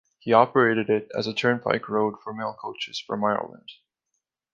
He operated it as a turnpike road for mail coaches from Ireland.